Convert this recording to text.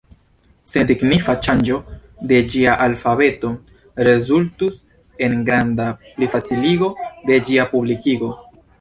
Sensignifa ŝanĝo de ĝia alfabeto rezultus en granda plifaciligo de ĝia publikigo.